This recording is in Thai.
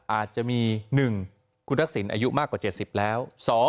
อาจจะมี๑คุณทักษิณอายุมากกว่า๗๐แล้ว